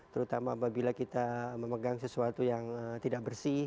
terutama apabila kita memegang sesuatu yang tidak bersih